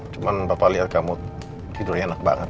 cuman papa lihat kamu tidurnya enak banget